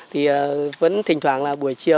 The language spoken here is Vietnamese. thì vẫn thỉnh thoảng là buổi chiều